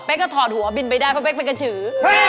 ก็ถอดหัวบินไปได้เพราะเป๊กเป็นกระสือ